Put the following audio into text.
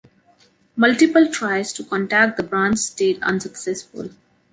Multiple tries to contact the branch stayed unsuccessful.